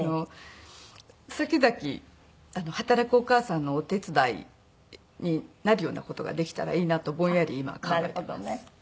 先々働くお母さんのお手伝いになるような事ができたらいいなとぼんやり今考えています。